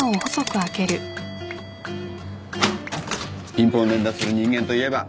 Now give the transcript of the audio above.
ピンポン連打する人間といえば。